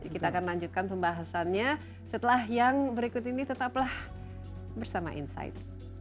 kita akan lanjutkan pembahasannya setelah yang berikut ini tetaplah bersama insight